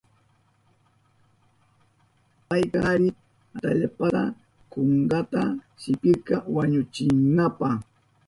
Payka kari atallpata kunkanta sipirka wañuchinanpa.